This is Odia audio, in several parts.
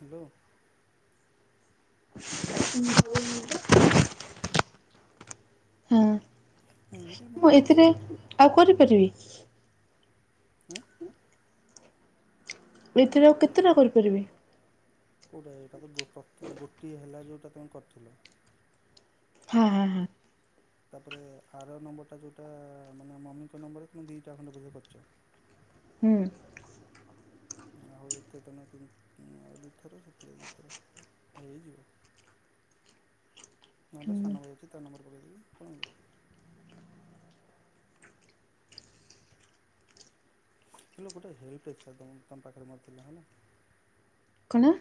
ହ୍ୟାଲୋ ହୁଁ। ହୁଁ ଟିକେ ମୋର ମୁଁ ଗୋଟେ ଛୋ ଏଥିରେ ଆଉ କରିପାରିବି? ଏ ମୁଁ ଏଥିରେ ଆଉ କେତେଟା କରିପାରିବି? କୋଉଟା ଏଇଟା ତ ପ୍ର ଗୋଟିଏ ହେଲା ଯୋଉଟା ତମେ କରିଥିଲ। ହଁ ହଁ ହଁ। ତାପରେ ଆର ନମ୍ବର ଟା ଯୋଉଟା ମାନେ ମମିଙ୍କ ନମ୍ବର ତମେ ଦିଟା ଖଣ୍ଡେ ବୁଝେଇ କରିଛ। ହୁଁ। ଆଉ ଯେତେ ତମେ ତିନି ଆଉ ଦିଇଥର ସେଥିରେ ଦିଇଥର ହେଇଯିବ। ନହେଲେ ହୁଁ ସାନ ଭାଇ ଅଛି ତା ନମ୍ବର ବେବି କଣ କର? ହେ ଗୋଟେ ହେଲ୍ପ ଦେଇଥିଲା ତମ ପାଖରେ ମୋର ଥିଲା ହେଲା। କଣ?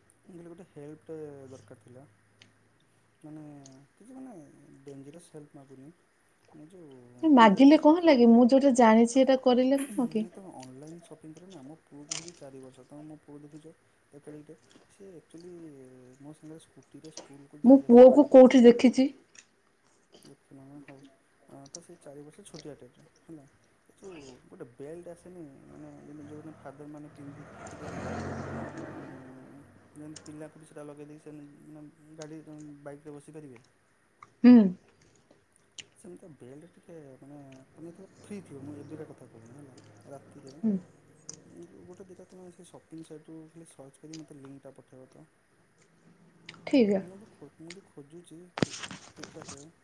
ମୁଁ କହିଲେ ଗୋଟେ ହେଲ୍ପଟେ ଦରକାର ଥିଲା ମାନେ କିଛି ମାନେ ଡେଞ୍ଜରସ୍ ହେଲ୍ପ ମାଗୁନି। ଯେଉଁ ତୁମେ ଏତେ ମାଗିଲେ ସବୁ କଣ ଲାଗେ ମୁଁ ଯୋଉଟା ଜାଣିଛି ସେଇଟା କରିଲେ କଣ କି? ସପିଙ୍ଗ କର ନା ମୋ ପୁଅ ହଉଛି ଚାରି ବର୍ଷ ତମେ ମୋ ପୁଅ ଦେଖିଛ ଏ କେଡିକିଟେ? ସେ ଆଚ୍ୟୁଆଲି ମୋ ସାଙ୍ଗରେ ସ୍କୁଟିରେ ସ୍କୁଲକୁ ମୁଁ ଯାଇ ପୁଅ କୁ କୋଉଠି ଦେଖିଛି? ଦେଖିନ ନା ହଉ ତ ସେ ଚାରି ବର୍ଷ ଛୋଟିଆଟେ ହେଲା ଏ ଯୋଉ ଗୋଟେ ବେଲ୍ଟ ଆସେନି ମାନେ ଯେ ମ ଯୋଉ ଫାଦର ମାନେ ପିନ୍ଧିଥିବେ ଆଉ ଉ ଯେମତି ପିଲାକୁ ବି ସେଟା ଲଗେଇ ଦେଇକି ଗାଡି ବାଇକରେ ବସେଇ ପାରିବେ। ହୁଁ। ସେମିତିକା ବେଲ୍ଟ ଟିକେ ମାନେ ତୁମେ ଫ୍ରି ଥିବ ମୁଁ ଏବେକା କଥା କହୁନି ହେଲା ରାତିରେ ହୁଁ ଗୋଟେ ଦିଟା ତୁମେ ସେ ସପିଙ୍ଗ ସାଇଟ୍ ରୁ ଖାଲି ସର୍ଚ୍ଚ କରିିକ ମୋତେ ଲିଙ୍କଟା ପଠାଇବ ତ। ଠିକ ମୁବି ଖୁ ମୁଁ ବି ଖୋଜୁଛି।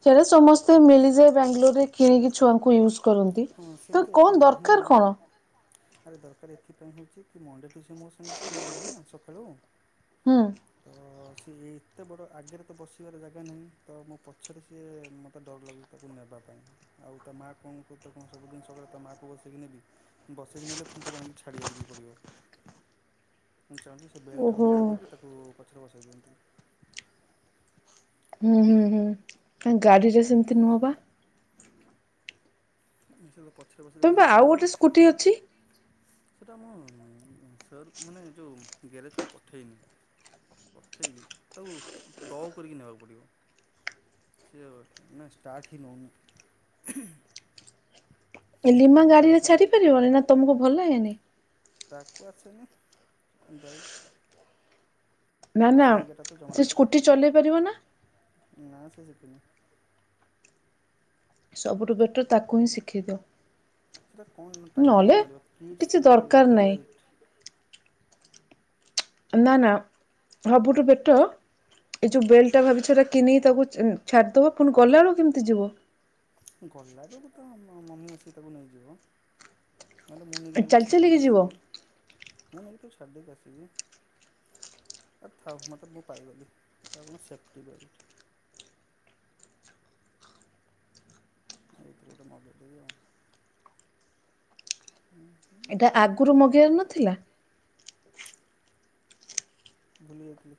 ସେଇଟା ସମସ୍ତେ ମିଳିଯାଏ ବାଙ୍ଗାଲୋରରେ କିଣିକି ଛୁଆଙ୍କୁ ୟୂଜ୍ କରନ୍ତି ହଁ ତ ସେମିତି ଏଠି କଣ ନାହିଁ ଦରକାର କଣ? ସେଥିପାଇଁ ହଉଛି ମଣ୍ଡେ ଠୁ ମୋ ସାଙ୍ଗେ ସ୍କୁଲ ଯିବ ନା ସକାଳୁ ହୁଁ। ତ ସିଏ ଏତେ ବଡ଼ ଆଗରେ ତ ବସିବାର ଜାଗା ନାହିଁ ତ ମୋ ପଛରେ ସିଏ ମୋତେ ଡର ଲାଗୁଛି ତାକୁ ନେବା ପାଇଁ ଆଉ ତା ମାଆ କଣ ତାକୁ କଣ ସବୁଦିନ ସକାଳେ ତା ମାଆକୁ ବସେଇକି ନେବି ବସେଇକି ନେଲେ ପୁଣି ତାକୁ ଆଣିକି ଛାଡ଼ିବାକୁ ବି ପଡ଼ିବ ମୁଁ ଚାହୁଁଛି ସେ ବେଲ୍ଟକୁ ଓହୋ ଲଗେଇଦେଇକି ତାକୁ ପଛରେ ବସାଇ ଦିଅନ୍ତି। ହୁଁ ହୁଁ ହୁଁ ଗାଡିରେ ସେମିତି ନୁହଁ ପା। [unintelligible] ତମେ ପା ଆଉ ହଲିବ ଗୋଟେ ସ୍କୁଟି ଅଛି। ସେଇଟା ମୁଁ ସାର୍ ମାନେ ଯେଉଁ ଗ୍ୟାରେଜକୁ ପଠେଇନି ପଠେଇବି ତାକୁ ଟ କରିକି ନେବାକୁ ପଡ଼ିବ ସେ ମାନେ ଷ୍ଟାର୍ଟ ହିଁ ନଉନି। ଲିମା ଗାଡି ରେ ଛାଡି ପାରିବନି ନା ତମକୁ ଭଲ ଲଗେନୀ? ତାକୁ ଆସେନି ନା ଆଉ ନା ସେ ଏଇଗାଟା ତ ଜମା ସେ ଚଲେନି ସ୍କୁଟି ଚଲେଇ ପାରିବ ନା? ନା ସେ ଶିକିନି। ସବୁଠୁ ବେଟର ତାକୁ ହିଁ ଶିଖେଇଦିଅ। ସେଟା କଣ ଟାଇପ ମାଇନେ ମାରିବ କିଛି ଦରକାର କିଡସ ନାହିଁ ବେଲଟ୍। ନା ନା ସବୁଠୁ ବେଟ ଏଇ ଯୋଉ ବେଲ୍ଟଟା ଭାବିଛ ଏଟା କିଣେଇ ତାକୁ ଉଁ ଛାଡିଦବ ପୁଣି ଗଲାବେଳକୁ କେମିତି ଯିବ। ଗଲା ବେଳକୁ ତ ମ-ମମି ଆସିକି ତାକୁ ନେଇଯିବ। ନହେଲେ ମୁଁ ନେଇକି ତାକୁ ଚାଲି ଛାଡ଼ି ଚାଲିକି ଦେଇକି ଯିବ ଆସିିବି। ମୁଁ ନେଇକି ତାକୁ ଛାଡ଼ିଦେଇକି ଆସିବି ଆ ଥାଉ ମତେ ମୁଁ ପାଇଗଲି ଏଟା ଆପଣ ସେଫଟି ବେଲଟ୍। ଆ ଏଇଥିରୁ ଗୋଟେ ମଗେଇଦେବି ଆଉ। ହୁଁ। ଏଇଟା ଆଗୁରୁ ମଗେଇବାର ନଥିଲା। ଭୁଲିଯାଇଥିଲି।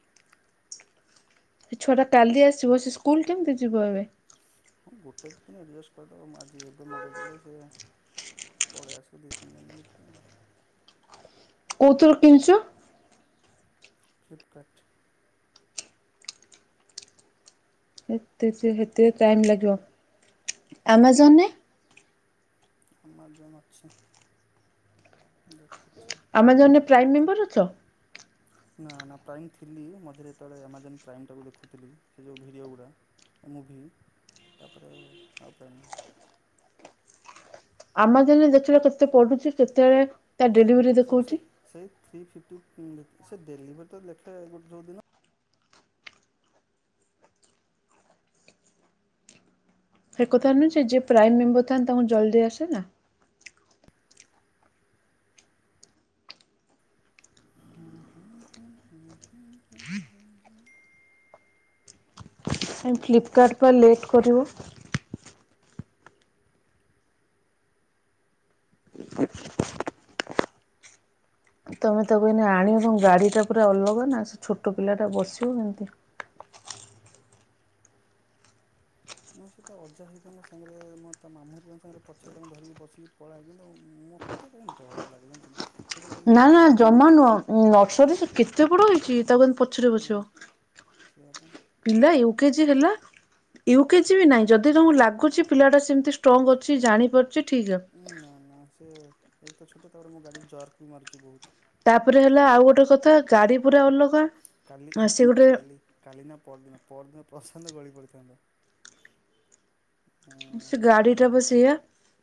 ସେ ଛୁଆଟା କାଲି ଆସିବ ସେ ସ୍କୁଲ୍ କେମତି ଯିବ ଏବେ। ହଁ ଗୋଟେ ଦିଇ ଦିନ ଆଡ଼ଜଷ୍ଟ କରିଦବ ଆଜି ଏବେ ମଗେଇଦେଲେ ସେ ପଳେଇ ଆସିବ ଦିଇ ତିନି ଦିନ ଭିତରେ। କୋଉଥୁରୁ କିଣଚ? ଫ୍ଲିପକାର୍ଟ। ତ ସେ ହେତ ଟାଇମ ଲାଗିବ ଆମାଜନରେ। ଆମାଜନ ଅଛି ଦେଖୁଚି। ଆମାଜନରେ ପ୍ରାଇମ ମେମ୍ବର ଅଛ? ନା ନା ପ୍ରାଇମ ଥିଲି ମଝିରେ ଯେତେବେଳେ ଆମାଜନ୍ ପ୍ରାଇମଟାକୁ ଦେଖୁଥିଲି ସେଇ ଯୋଉ ଭିଡ଼ିଓଗୁଡ଼ା ମୁଭି ତାପରେ ଆଉ ପ୍ରାଇମ୍। ଆମାଜନରେ ଦେଖିବ କେତେ ପଡୁଚି କେତେ ସବୁ ସେ ସେଇ ଥ୍ରୀ ଫିପଟି ହୁଁ ସେ ଦେଲିଭରି ତ ଲେଖିବା ଗୋଟ ଯୋଉ ଦିନ ସେ କଥା ନୁୁହେଁ ଯେ ପ୍ରାଇମ ମେମ୍ବର ଥାନ୍ତି ତାଙ୍କୁ ଜଲଦି ଆସେ ନା। ହୁଁ ହୁଁ ହୁଁ ହୁଁ ହୁଁ ହୁଁ ହୁଁ ହୁଁ। ସେ ଫ୍ଲିପକାର୍ଟ ପା ଲେଟ୍ କରିବ। ତମେ ତାକୁ ଏଇନେ ଆଣିଚ ଗାଡିଟା ପୁରା ଅଲଗା ନା ସେ ଛୋଟ ପିଲାଟା ବସିବ କେମତି? ନା ସେ ତା ଅଜା ହରିକାଙ୍କ ସାଙ୍ଗରେ ମୋର ତା ମାମୁ ହରିକାଙ୍କ ସାଙ୍ଗରେ ପଛରେ ତାଙ୍କୁ ଧରିକି ବସିକି ପଳାଏ କିନ୍ତୁ ମତେ କାଇଁ ଡରଲାଗେ ଜାଣିଚନା। ନା ନା ଜମା ନୁହଁ ନର୍ସରୀ ଶି କେତେ ବଡ ହେଇଚି ତା ବୋଲି ପଛରେ ବସିବ ସେଇଆ ପାଇଁ ପିଲା ୟୁ କେଜି ହେଲା ୟୁକେଜି ବି ନାଇଁ ଯଦି ତମକୁ ଲାଗୁଚି ପିଲାଟା ସେମିତି ଷ୍ଟ୍ରଙ୍ଗ ଅଛି ଜାଣିପାର ଉଁ ନା ନା ସିଏ ଏକେତ ଛୋଟ ତାପରେ ମୋ ଗାଡ଼ି ଜର୍କ ମାରୁଚି ବୋହୁତ। ତାପରେ ହେଲା ଆଉ ଗୋଟେ କଥା ଗାଡି ପୁରା ଅଲଗା। କାଲି ହିଁ ସେ କାଲି ଗୋଟେ କାଲି କାଲି ନା ପଅରଦିନ ପଅରଦିନ ପ୍ରଶାନ୍ତ ଗଳି ପଡ଼ିଥାନ୍ତା। ସେ ଉଁ ଯୋଉ ଗାଡିଟା ପା ସେଇଆ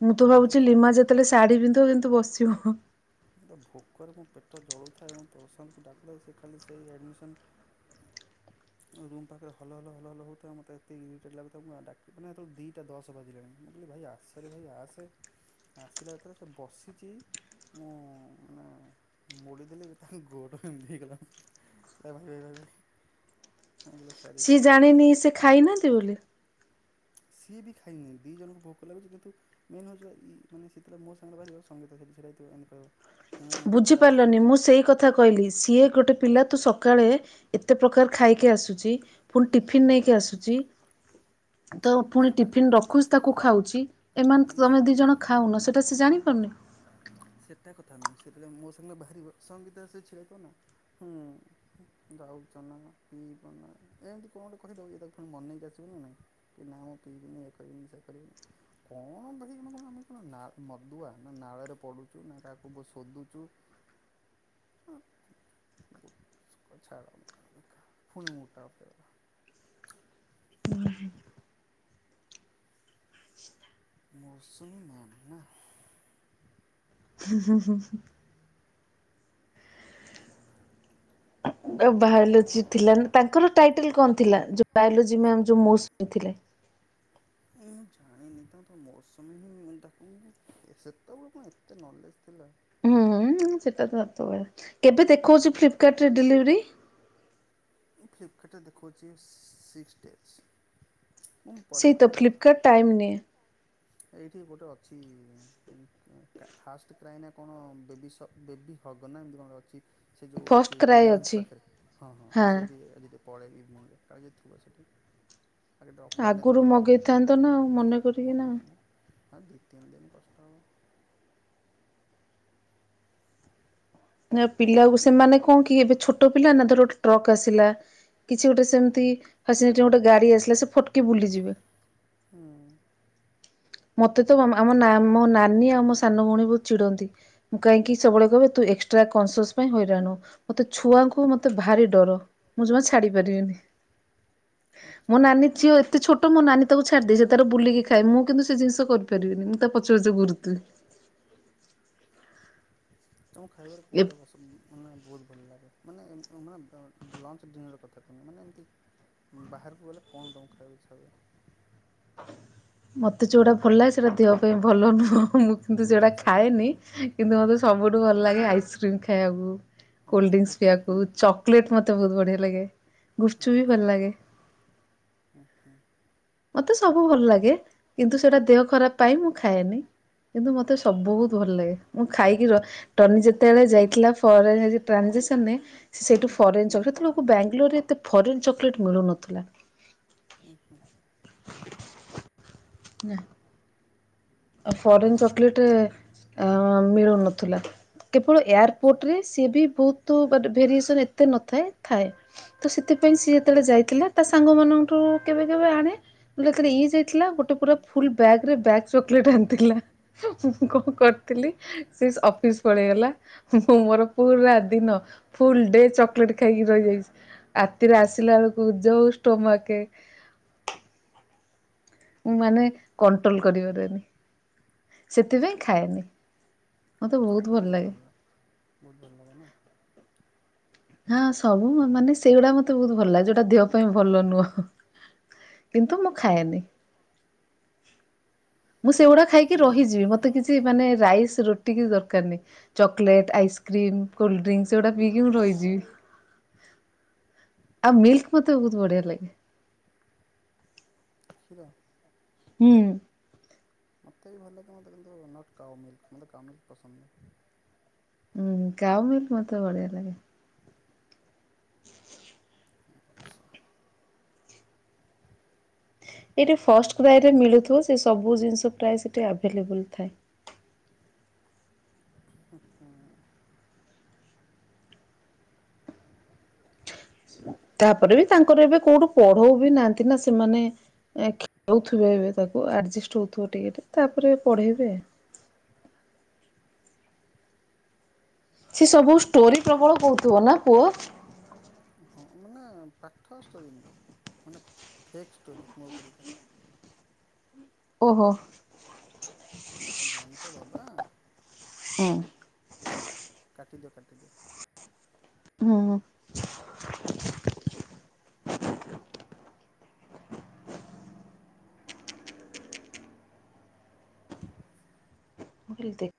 ମୁଁ ତ ମୋତେ ଭାବୁଚି ଲିମା ଭୋକ ଯେତେଳେ ଶାଢୀ ପିନ୍ଧୁ ପିନ୍ଧୁ ବସ ଆସିବ। ଭୋକରେ ମୋ ପେଟ ଜଳୁଥାଏ ମୁଁ ପ୍ରଶାନ୍ତକୁ ଡାକୁ ଡାକୁ ସେ ଖାଲି ସେଇ ଆଡମିସନ ଅ ରୁମ ପାଖରେ ହଲହଲ ହଲହଲ ହୋଉଥାଏ ମତେ ଏତେ ଇରିଟେଟ ଲାଗୁଥାଏ ମୁଁ ଆଉ ଡାକି ମାନେ ହେତୋଳୁକୁ ଦିଟା ଦଶ ବାଜିଲାଣି ମୁଁ କହିଲି ଭାଇ ଆସରେ ଭାଇ ଆସେ ଆସିଲା ଯେତେବେଳେ ସେ ବସିଚି ମୁଁ ମାନେ ମୋଡ଼ିଦେଲି ଯେ ତାଙ୍କ ଗୋଡ ଏମତି ହେଇଗଲା ଆ ଭାଇ ଭାଇ ଭାଇ ଭାଇ। କହିଲି ସରି ସିଏ ସରି ଜାଣିନି ସେ ଖାଇନାହାନ୍ତି ବୋଲି? ସିଏ ବି ଖାଇନହିଁ ଦି ଜଣଙ୍କୁ ଭୋକ ଲାଗୁଛି କିନ୍ତୁ ମେନ୍ ହଉଛି ମାନେ ସେତଟଳେ ମୋ ସାଙ୍ଗରେ ବାହାରିବ ସଙ୍ଗୀତ ସେଠି ସେଟାହ ବୁଝିପାରିଲନି ମୁଁ ସେଇ କଥା କହିଲି ସିଏ ଗୋଟେ ପିଲା ତୁ ସକାଳେ ଏତେ ପ୍ରକାର ଖାଇକି ଆସୁଛି ପୁଣି ଟିଫିିନ ନେଇକି ଆସୁଛି। ତ ପୁଣି ସିଏ ପା ଟିଫିିନ ରଖୁଛି ତାକୁ ଖାଉଛି ଏମାନେ ତ ମାନେ ତମେ ଦି ଜଣ ଖାଉନ ସେଇଟା ସେ ଜାଣିପାରୁନ ସେଟା କଥା ନୁହେଁ ମୋ ସାଙ୍ଗ ରେ ବାହାରିବା ସଙ୍ଗୀତା ସେଥି ଛିଡ଼ା ହେଇ ଥିବା ହୁ ଯାଉଚ ନା ପୀବନା ଇଏ ତାକୁ ପୁଣି ମନେଇ କି ଆସିବ ନା ନାହିଁ। କି ମୁଁ ପିବିନି ଏୟା କରିବିନି ସେୟା କରିବିନି। କଣ ଭାଇ ମାନେ କମ ମଦୁଆ ନା ନାଳରେ ପଡ଼ିବୁ କାକୁ ଶୋଧୁଛୁ ଏଇ ଚଡ୍ ମୁଡ ଟା ଆଫ୍ ହେଇଗଲା। ମୌସୁମୀ ମ୍ୟାମ ନା ହୁଁ ହୁଁ ହୁଁ। ତମ ବାହଲୋଚ କଥା ଥିଲାାନ ତାଙ୍କର ଟ କଣ ଥିଲାଲୋ ମ ମୁଁ ଜାଣିନି ତ ମୋର ସମୟ ହିଁ ଡାକୁ ସେତେବେଳେ କଣ ଏତେ ନଲେଜ ଥିଲା। ହୁଁ ସେଟା ତ ସାତ କେବେ ଦେଖାଉଛି ମୁଁ ଫ୍ଲିପକାର୍ଟରେ ଡେଲିଭରି ମୁଁ ଫ୍ଲିପକାର୍ଟରେ ଦେଖାଉଛି ସିକ୍ସ ଡେଜସ୍ ସେଇ ତ ଫ୍ଲିପକାର୍ଟ ଟାଇମ ନ ଏଇଠି ଗୋଟେ ଅଛି ଫାଷ୍ଟ କ୍ରାଇନା କଣ ବେି ହଗ ନା ଏମିତି କଣେ ଅଛି। ସେ ଯୋଉ ଫଷ୍ଟ ଏଠି କ୍ରାଏ ରିଲାନ୍ସ ଅଛି ପାଖରେ ହଁ ହଁ ସେଠ ଆଜି ପରେେ ଇନିଂରେ କା ଯେଥିବ ସେଠିକ ଆଗରୁ ମଗେଇଥାନ୍ତ ନା ମନେ କରିକି ନା। ଆ ଦୁଇତିନ ଦିନ କଷ୍ଟ ନା ପିଲା ସେମାନେ କଣ କି ଏବେ ଛୋଟ ପିଲା ନା ଧର ଗୋଟେ ଟ୍ରକ୍ ଆସିଲା କିଛି ଗୋଟେ ସେମତି ଗୋଟେ ଗାଡି ଆସିଲା ସେ ଫଟକି ବୁଲିଯିବେ। ହଁ। ମତେ ତ ଆମ ମୋ ନାନୀ ଆଉ ମୋ ସାନ ଭଉଣୀ ବହୁତ ଚିଡନ୍ତି ମୁଁ କାହିଁକି ସବୁବେଳେ କହିବେ ତୁ ଏକ୍ସଟ୍ରା କନସିସ ପାଇଁ ହଇରାଣୁ ମୋତେ ଛୁଆଙ୍କୁ ମତେ ଭାରି ଡର ମୁଁ ଯମା ଛାଡି ପାରିବିନି। ମୋ ଆଚ୍ଛା ନାନୀ ଝିଅ ସେ ଛୋଟ ମୋ ନାନୀ ତାକୁ ଛାଡ଼ି ଦେଇେ ତାର ବୁଲିକି ଖଏ ମୁଁ କିନ୍ତୁ ସେ ଜିନିଷ କରିପାରିବିନି ମୁଁ ତା ପଛ ପଚ ଗୁରୁତି ତମ ଖାଇବାରେ କଉଟା ମାନେ ବହୁତ ଭଲ ଲାଗେ ମାନେ ମାନେ ଲଞ୍ଚ ଡିନର କଥା କୁହୁନି ମାନେ ଏମିତି ବାହାରକୁ ଗଲେ କଣ କଙ୍କୁ ଖାଇବାକୁ ଇଚ୍ଛା ମତେ ଯୋଉଟା ଭଲ ଲାଗେ ସେଇଟା ଦେହ ପାଇଁ ଭଲ ନୁହଁ ମୁଁ କିନ୍ତୁ କେଉଁ ସେଟା ଜିନିଷଟା ଖାଏନି କିନ୍ତୁ ମୋତେ ସବୁଠୁ ଭଲ ଲାଗେ ଆଇସ୍କ୍ରିମ୍ ଖାଇବାକୁ। କୋଲ୍ଡ ଡ୍ରିଙ୍କସ ଗୁପଚୁପ୍ ପିଆକୁ ଚକୋଲେଟ୍ ମତେ ତ ବହୁ ବଢିଆ ଲାଗେ। ଗୁପଚୁପ୍ ବି ଭଲ ଆଚ୍ଛା ଲାଗେ ଉ ହୁଁ। ମତେ ସବୁ ଭଲ ଲାଗେ କିନ୍ତୁ ସେଟା ଦେହ ଖରାପ ପାଇ ମୁଁ ଖାଏନି କିନ୍ତୁ ମତେ ସବ ବହୁତ ଭଲ ଲାଗେ ମୁଁ ଖାଇକି ଟନି ଯେତେବେଳେ ଯାଇଥିଲାରୋ। ସେଇଠୁ ଫରେନ୍ ଚ ସେ ହୁଁ ତ ଲୋକ ବାଙ୍ଗଲୋରରେ ତ ଫରେନ୍ ଚଲେଟ ମିଳୁନଥିଲା। ଆଚ୍ଛା ନା। ଫରେନ୍ ଚକୋଲେଟ୍ ଏ ମିଳୁନଥିଲା। କେବଳ ଆଚ୍ଛା ଏୟାରପୋର୍ଟରେ ସିଏ ବି ବହୁତ ତ ଭେରିଏସନ ଏତେ ନଥାଏ ଥାଏ। ତ ସେଥିପାଇଁ ସିଏ ଯେତେବେଳେ ଯାଇଥିଲା ତା ସାଙ୍ଗ ମାନଙ୍କଠୁ କେବେ କେବେ ଆଣେ ଯେତେବେଳେ ଇଏ ଯାଇ ଥିଲା ହୁଁ ଗୋଟେ ପୁରା ହୁଁ ଫୁଲ ବ୍ୟାଗ ରେ ବ୍ୟାକ୍ସ ଚକୋଲେଟ ଆଣିଥିଲା ମୁଁ କଣ କରିଥିଲି ସେ ଅଫିସ ପଳେଇଗଲା ମୁଁ ମୋର ପୁରା ଦିନ ଫୁଲ ଡେ ଚକୋଲେଟ ଖାଇକି ରହିଯାଇଛି। ରାତିରେ ଆସିଲା ବେଳକୁ ଯୋଉ ଷ୍ଟୋମାକେ ମୁଁ ମାନେ କଣ୍ଟ୍ରୋଲ କରିପାରେନି ସେଥିପାଇଁ ଖାଏନି। ଚକୋଲେଟ ବହୁତ ଭଲ ଲ ବହୁତ ଭଲ ଲାଗେ ନା [inaudible] ହଁ ସବୁ ମାନେ ସେଇଗୁଡା ମତେ ବହୁତ ଭଲ ଲାଗେ ଯୋଉଟା ଦେହ ପାଇଁ ଭଲ ନୁହଁ। କିନ୍ତୁ ମୁଁ ଖାଏନି। ମୁଁ ସେଇଗୁଡା ଖାଇକି ରହିଯିବି ମତେ କିଛି? ମାନେ ରାଇସ୍, ରୁଟି କିଛି ଦରକାର ନାହିଁ। ଚକଲେଟ, ଆଚ୍ଛା, ଆଇସ୍କ୍ରିମ, କୋଲ୍ଡଡ୍ରିଂସ୍ ସେଗୁଡା ପିଇକି ମୁଁ ରହିଜ୍ ଆଉ ମିଲ୍କ ମତେ ବହୁତ ବଢିଆ ଲାଗେ। ଶିଲ [inaudible] ହୁଁ। ମୋତେ ବି ଭଲ ଲାଗେ ମୋତେ କିନ୍ତୁ ନଟ୍ କାଉ ମିଲ୍ ମୋତେ କାଉ ମିଲ୍ ପସନ୍ଦହି [inaudible] ହୁଁ କାଓ ମିଲ୍କ ମତେ ବଢିଆ ଲାଗେ। [unintelligible] ଆଚଛା [inaudible] ଏଇଠି ଫଷ୍ଟକ୍ରାଇଡରେ ମିଳୁଥିବ ସେ ସବୁ ଜିନିଷ ପ୍ରାୟ ସେଠି ଆଭେଲେବଲୁ ଥାଏ। ହୁଁ [inaudible] ତାପରେ ବି ତାଙ୍କର ଏବେ କୋଉଠୁ ପଢଉ ବି ନାହାନ୍ତି ନା ସେମାନେ ଖେଳଉଥିବେ ଏବେ ତାକୁ ଆଡଜେଷ୍ଟ ହଉଥିବ ଟିକେ ତାପରେ ପଢେଇବେ। ସେ ସବୁ ଷ୍ଟୋରି ପ୍ରବଳ କହୁଥିବ ନା ପୁଅ? ହଁ ମାନେ ପାଠ ଷ୍ଟୋରିନୁହେଁ ମାନେ ଫେକ୍ ଷ୍ଟୋରି ମୋର ପରିକା। ଓହୋ। ଜାଣିଛ ବାବା ହୁଁ ହୁଁ। କାଟିଦିଅ କଟି ହୁଁ। [inaudible] ଭୁଲି ଦେ